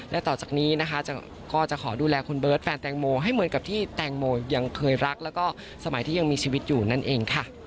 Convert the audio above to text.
และต่อจากนี้นะคะก็จะขอดูแลคุณเบิร์ตแฟนแตงโมให้เหมือนกับที่แตงโมยังเคยรักแล้วก็สมัยที่ยังมีชีวิตอยู่นั่นเองค่ะ